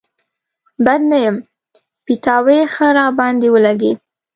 بد نه يم، پيتاوی ښه راباندې ولګېد.